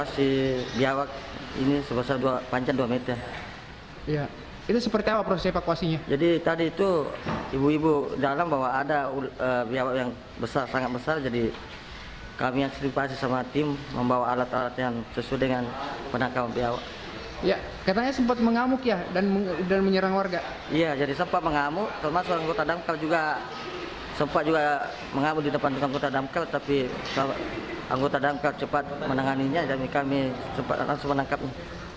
sempat juga mengambil di depan anggota damkar tapi anggota damkar cepat menanganinya dan kami langsung menangkapnya